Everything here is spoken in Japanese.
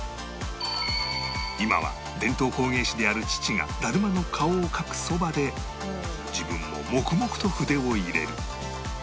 今は伝統工芸士である父がだるまの顔を描くそばで自分も黙々と筆を入れる